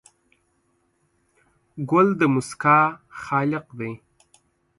ګل د موسکا خالق دی.